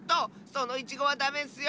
そのイチゴはダメッスよ！